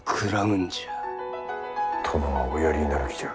殿はおやりになる気じゃ。